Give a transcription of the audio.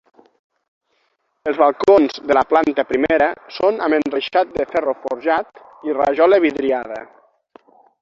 Els balcons de la planta primera són amb enreixat de ferro forjat i rajola vidriada.